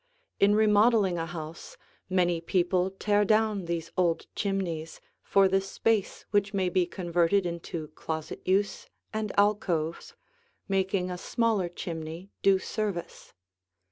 In remodeling a house many people tear down these old chimneys for the space which may be converted into closet use and alcoves, making a smaller chimney do service.